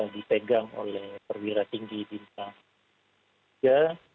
dipegang oleh perwira tinggi bintang tiga